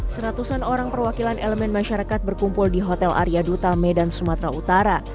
seratusan orang perwakilan elemen masyarakat berkumpul di hotel arya duta medan sumatera utara